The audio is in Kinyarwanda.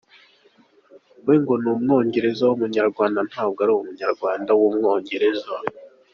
We ngo n’Umwongereza w’Umunyarwanda ntabwo ari Umunyarwanda w’Umwongereza.